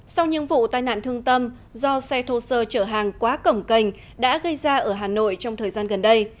sau những vụ tai nạn thương tâm do xe thô sơ chở hàng quá cổng cành đã gây ra ở hà nội trong thời gian gần đây